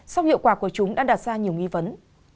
các hiệu quả của chúng đã đặt ra nhiều nghi vấn